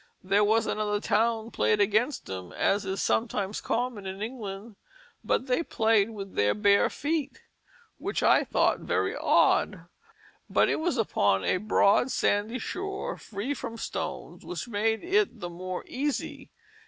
There was another Town played against 'em as is sometimes common in England; but they played with their bare feet, which I thought very odd; but it was upon a broad sandy Shoar free from Stones which made it the more easie.